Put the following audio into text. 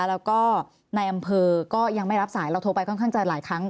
แล้วก็ในอำเภอก็ยังไม่รับสายเราโทรไปค่อนข้างจะหลายครั้ง